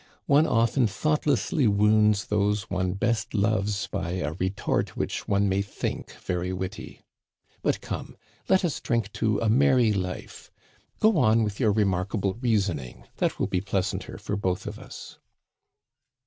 One often thought lessly wounds those one best loves by a retort which one may think very witty. But come, let us drink to a Digitized by VjOOQIC LA CORRIVEAU, ^g merry life ! Go on with your remarkable reasoning ; that will be pleasanter for both of us."